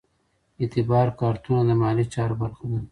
اعتبار کارتونه د مالي چارو برخه ده.